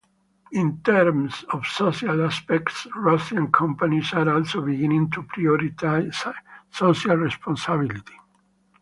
In terms of social aspects, Russian companies are also beginning to prioritize social responsibility.